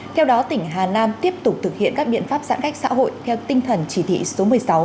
theo đó tỉnh hà nam tiếp tục thực hiện các biện pháp giãn cách xã hội theo tinh thần chỉ thị số một mươi sáu